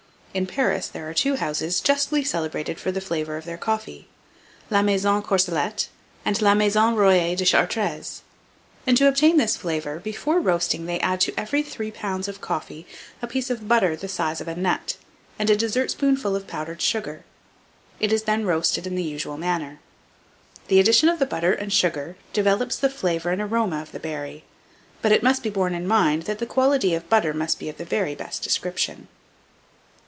In Paris, there are two houses justly celebrated for the flavour of their coffee, La Maison Corcellet and La Maison Royer de Chartres; and to obtain this flavour, before roasting they add to every 3 lbs. of coffee a piece of butter the size of a nut, and a dessert spoonful of powdered sugar: it is then roasted in the usual manner. The addition of the butter and sugar develops the flavour and aroma of the berry; but it must be borne in mind, that the quality of the butter must be of the very best description.